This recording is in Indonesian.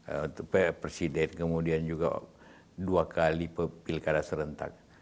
untuk presiden kemudian juga dua kali pilkada serentak